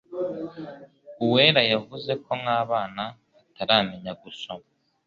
Uwera yavuze ko nk'abana bataramenya gusoma,